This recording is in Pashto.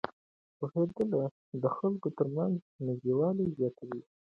پوهېدل د خلکو ترمنځ نږدېوالی زیاتوي.